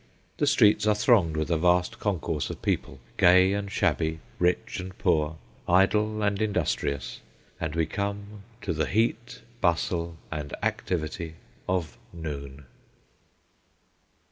The streets are thronged with a vast concourse of people, gay and shabby, rich and poor, idle and industrious ; and we come to the heat, bustle, and activity of NOON.